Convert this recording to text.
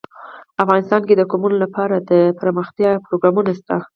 افغانستان کې د قومونه لپاره دپرمختیا پروګرامونه شته.